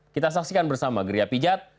kita saksikan bersama gria pijat